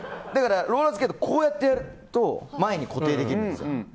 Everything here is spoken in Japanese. ローラースケートはこうやってやると前に固定できるんですよ。